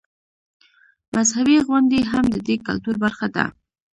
مذهبي غونډې هم د دې کلتور برخه ده.